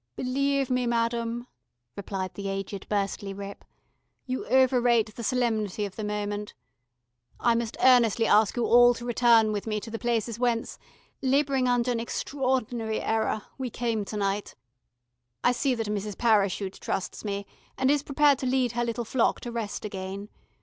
"Believe me, madam," replied the aged Burstley Ripp. "You overrate the solemnity of the moment. I must earnestly ask you all to return with me to the places whence labouring under an extraordinary error we came to night. I see that Mrs. Parachute trusts me, and is prepared to lead her little flock to rest again.